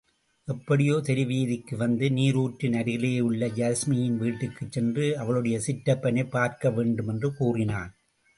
எப்படியோ, தெருவீதிக்கு வந்து, நீருற்றின் அருகிலேயுள்ள யாஸ்மியின் வீட்டுக்குச்சென்று, அவளுடைய சிற்றப்பனைப் பார்க்க வேண்டுமென்று கூறினான்.